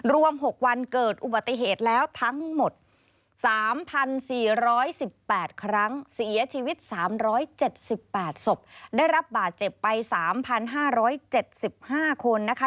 รวม๖วันเกิดอุบัติเหตุแล้วทั้งหมด๓๔๑๘ครั้งเสียชีวิต๓๗๘ศพได้รับบาดเจ็บไป๓๕๗๕คนนะคะ